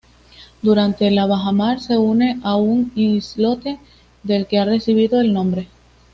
Durante la bajamar se une a un islote del que ha recibido el nombre.